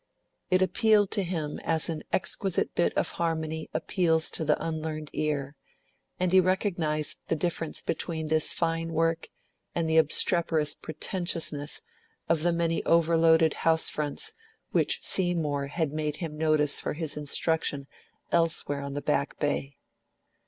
It appealed to him as an exquisite bit of harmony appeals to the unlearned ear, and he recognised the difference between this fine work and the obstreperous pretentiousness of the many overloaded house fronts which Seymour had made him notice for his instruction elsewhere on the Back Bay.